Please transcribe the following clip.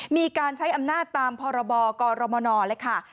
มีการใช้อำนาจตามพรบกรมนเลยค่ะ